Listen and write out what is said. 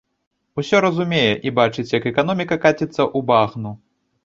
Усё разумее, і бачыць, як эканоміка каціцца ў багну.